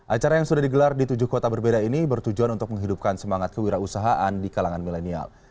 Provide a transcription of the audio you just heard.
acara yang sudah digelar di tujuh kota berbeda ini bertujuan untuk menghidupkan semangat kewirausahaan di kalangan milenial